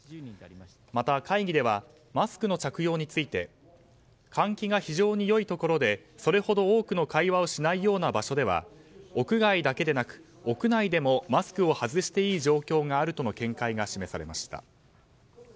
また、会議ではマスクの着用について換気が非常に良いところでそれほど多くの会話をしないような場所では屋外だけでなく屋内でもマスクを外していい状況があるとの見解が示されました。